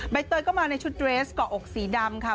ใบเตยก็มาในชุดเดรสกล่ออกสีดำ